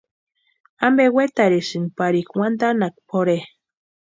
¿Ampe wetarhisïnki parika wantanhaka pʼorhe?